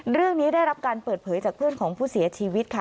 ได้รับการเปิดเผยจากเพื่อนของผู้เสียชีวิตค่ะ